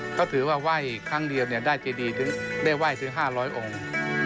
เขาถือว่าไหว้ครั้งเดียวได้เจดีถึงได้ไหว้ถึง๕๐๐องค์